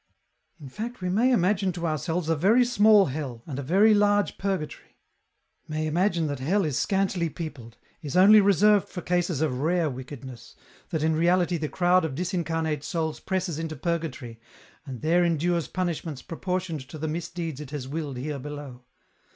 " In fact we may imagine to ourselves a very small hell, and a very large purgatory ; may imagine that hell is scantily peopled, is only reserved for cases of rare wickedness, that in reality the crowd of disincarnate souls presses into Purgatory and there endures punishments proportioned to the misdeeds it has willed here below.